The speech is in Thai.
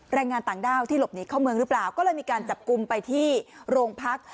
แรงงานต่างด้าวที่หลบหนีเข้าเมืองหรือเปล่าก็เลยมีการจับกลุ่มไปที่โรงพัก